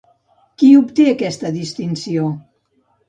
Qui obté aquesta distinció?